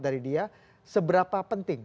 dari dia seberapa penting